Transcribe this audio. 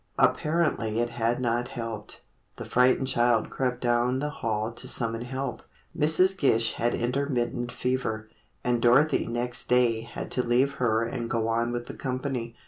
Apparently it had not helped. The frightened child crept down the hall to summon help. Mrs. Gish had intermittent fever, and Dorothy next day had to leave her and go on with the company.